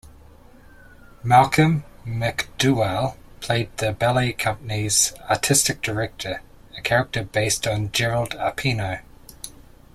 Malcolm McDowell played the ballet company's artistic director, a character based on Gerald Arpino.